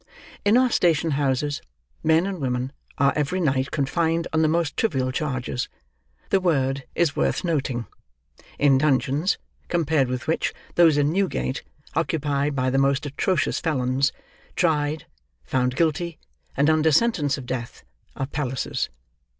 In our station houses, men and women are every night confined on the most trivial charges—the word is worth noting—in dungeons, compared with which, those in Newgate, occupied by the most atrocious felons, tried, found guilty, and under sentence of death, are palaces.